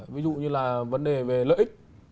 ví dụ như là vấn đề về lợi ích